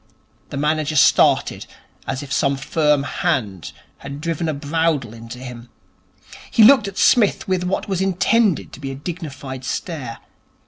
The manager started as if some firm hand had driven a bradawl into him. He looked at Psmith with what was intended to be a dignified stare.